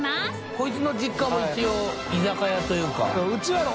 こいつの実家も一応居酒屋というか。金ちゃん）